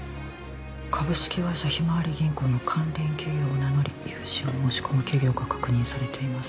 「「株式会社ひまわり銀行」の関連企業を名乗り」「融資を申し込む企業が確認されています」